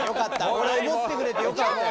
これ思ってくれてよかったよ。